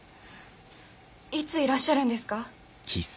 いついらっしゃるんですか？